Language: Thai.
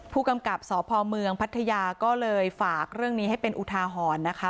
ผู้กำกับสพเมืองพัทยาก็เลยฝากเรื่องนี้ให้เป็นอุทาหรณ์นะคะ